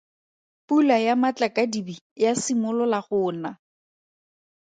Pula ya matlakadibe ya simolola go na.